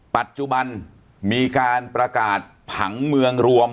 ปัจจุบันมีการประกาศผังเมืองรวม